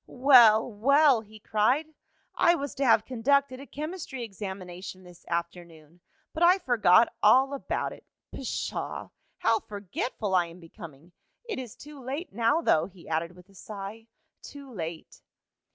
"Well, well!" he cried. "I was to have conducted a chemistry examination this afternoon, but I forgot all about it. Pshaw! How forgetful I am becoming! It is too late, now, though," he added with a sigh. "Too late!"